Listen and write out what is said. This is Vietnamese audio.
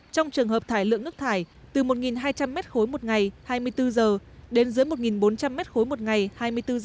trong trường hợp thải lượng nước thải từ một hai trăm linh m ba một ngày hai mươi bốn h đến dưới một bốn trăm linh m ba một ngày hai mươi bốn h